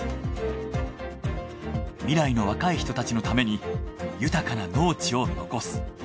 「未来の若い人達のために豊かな農地を残す」。